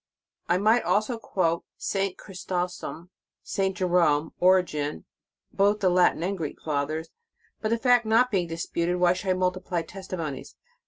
f I might also quote St. Chrysostom, St. Jerome, Origen, both the Latin and Greek Fathers ;J but the fact not being disputed, why should I multiply testimonies?